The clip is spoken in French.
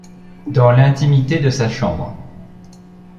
Dans l'intimité de sa chambre.